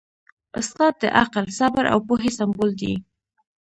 استاد د عقل، صبر او پوهې سمبول دی.